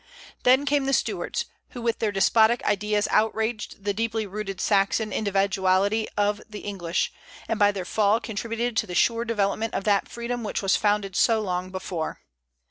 Then came the Stuarts, who with their despotic ideas outraged the deeply rooted Saxon individuality of the English, and by their fall contributed to the sure development of that freedom which was founded so long before.